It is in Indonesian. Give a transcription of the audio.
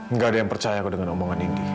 nggak ada yang percaya aku dengan omongan indi